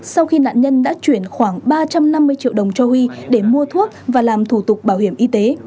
sau khi nạn nhân đã chuyển khoảng ba trăm năm mươi triệu đồng cho huy để mua thuốc và làm thủ tục bảo hiểm y tế